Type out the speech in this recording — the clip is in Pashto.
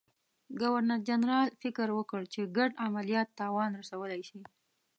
ګورنرجنرال فکر وکړ چې ګډ عملیات تاوان رسولای شي.